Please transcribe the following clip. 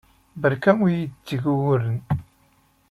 Beṛka ur iyi-d-tteg uguren.